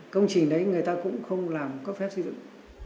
cái quá trình đấy người ta cũng không làm cấp phép xây dựng